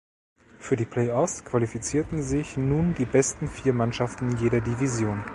Für die Playoffs qualifizierten sich nun die besten vier Mannschaften jeder Division.